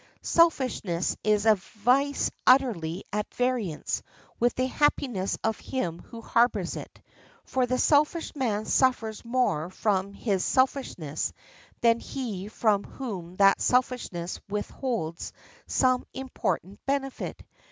Selfishness is a vice utterly at variance with the happiness of him who harbors it, for the selfish man suffers more from his selfishness than he from whom that selfishness withholds some important benefit.